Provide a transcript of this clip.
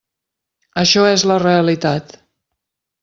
Això és la realitat.